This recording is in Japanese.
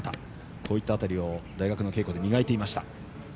こういった辺りを大学の稽古で磨いていました。